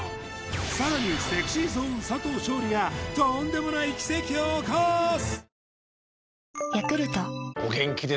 さらにＳｅｘｙＺｏｎｅ佐藤勝利がとんでもない奇跡を起こす！